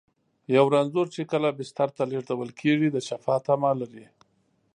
یو رنځور چې کله بستر ته لېږدول کېږي، د شفا تمه لري.